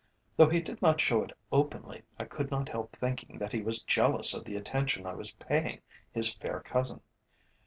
Though he did not show it openly, I could not help thinking that he was jealous of the attention I was paying his fair cousin.